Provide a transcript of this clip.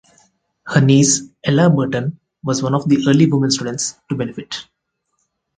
Her niece Ella Burton was one of the early women students to benefit.